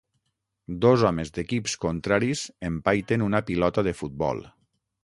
Dos homes d'equips contraris empaiten una pilota de futbol